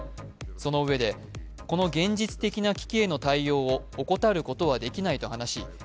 そのうえで、この現実的な危機への対応を怠ることはできないと話し